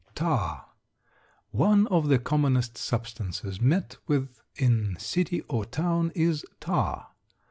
TAR. One of the commonest substances met with in city or town is tar.